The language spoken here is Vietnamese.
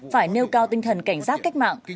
phải nêu cao tinh thần cảnh sát cách mạng